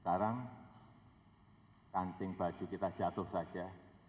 sekarang kancing baju kita jatuh saja